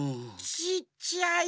ちっちゃい。